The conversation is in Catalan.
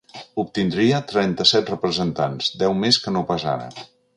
Obtindria trenta-set representants, deu més que no pas ara.